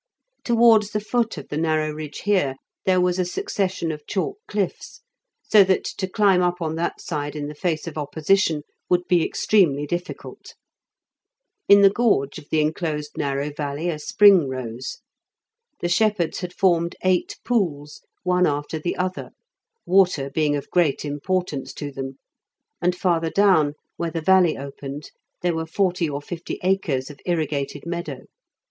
Towards the foot of the narrow ridge here, there was a succession of chalk cliffs, so that to climb up on that side in the face of opposition would be extremely difficult. In the gorge of the enclosed narrow valley a spring rose. The shepherds had formed eight pools, one after the other, water being of great importance to them; and farther down, where the valley opened, there were forty or fifty acres of irrigated meadow.